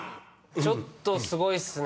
ちょっとすごいっすね。